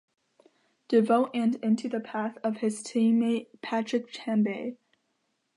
Devote and into the path of his team-mate Patrick Tambay.